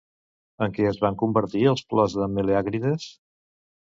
En què es van convertir els plors de Meleàgrides?